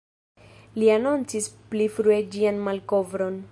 Li anoncis pli frue ĝian malkovron.